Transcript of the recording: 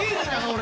俺。